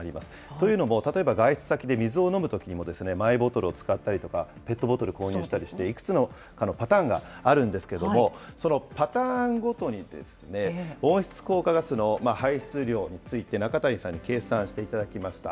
というのも、例えば外出先で水を飲むときにも、マイボトルを使ったりとか、ペットボトル購入したりして、いくつかのパターンがあるんですけれども、そのパターンごとに、温室効果ガスの排出量について、中谷さんに計算していただきました。